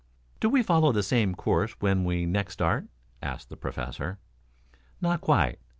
"Do we follow the same course when we next start?" asked the Professor. "Not quite.